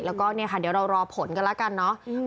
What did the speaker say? แล้วก็เนี่ยค่ะเดี๋ยวเรารอผลกันแล้วกันเนาะ